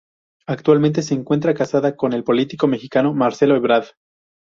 Actualmente se encuentra casada con el político mexicano, Marcelo Ebrard.